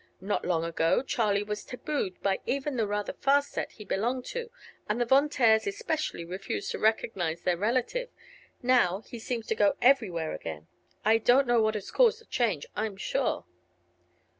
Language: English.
Not long ago Charlie was tabooed by even the rather fast set he belonged to, and the Von Taers, especially, refused to recognize their relative. Now he seems to go everywhere again. I don't know what has caused the change, I'm sure."